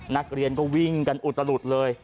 นักเรียนก็วิ่งกันอุตลุดเลย